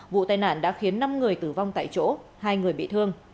vụ tai nạn đã khiến năm người tử vong tại chỗ hai người bị thương